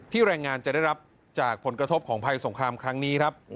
แรงงานจะได้รับจากผลกระทบของภัยสงครามครั้งนี้ครับ